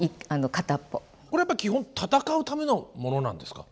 これやっぱ基本戦うための物なんですか？